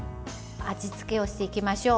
味付けをしていきましょう。